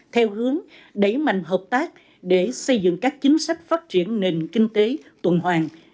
theo hướng đẩy mạnh hợp tác để xây dựng các chính sách phát triển nền kinh tế tuần hoàng